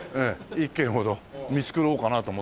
１軒ほど見繕おうかなと思ってね。